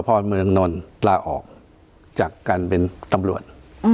สรภอมือคนนนต์ละออกจากการเป็นตำรวจ